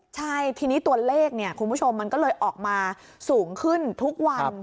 ใช่ทีนี้ตัวเลขเนี่ยคุณผู้ชมมันก็เลยออกมาสูงขึ้นทุกวัน